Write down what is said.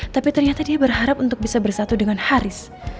tapi ternyata dia berharap untuk bisa bersatu dengan haris